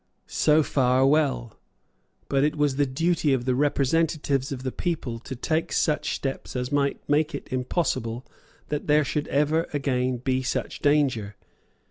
So far well. But it was the duty of the representatives of the people to take such steps as might make it impossible that there should ever again be such danger.